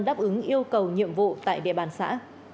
đáp ứng yêu cầu nhiệm vụ tại địa bàn xã